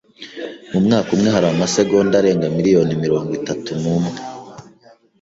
Mu mwaka umwe hari amasegonda arenga miliyoni mirongo itatu n'umwe.